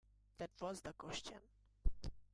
That was the question.